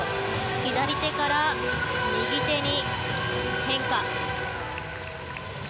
左手から右手に変化。